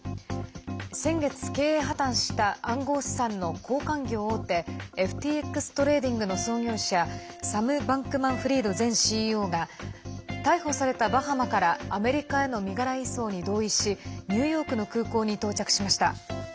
先月、経営破綻した暗号資産の交換業大手ＦＴＸトレーディングの創業者サム・バンクマンフリード前ＣＥＯが逮捕されたバハマからアメリカへの身柄移送に同意しニューヨークの空港に到着しました。